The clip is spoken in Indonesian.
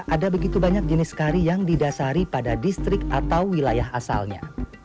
ada begitu banyak jenis kari yang didasari pada distrik atau wilayah asalnya